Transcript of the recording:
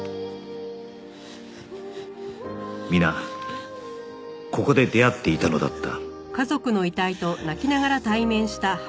皆ここで出会っていたのだった